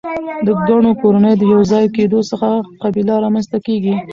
د ګڼو کورنیو د یو ځای کیدو څخه قبیله رامنځ ته کیږي.